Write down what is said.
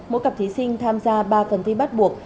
mỗi cặp thí sinh tham gia ba phần thi bắt buộc